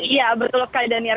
iya betul sekali daniel